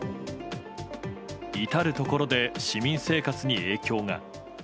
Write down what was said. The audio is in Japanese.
至るところで市民生活に影響が。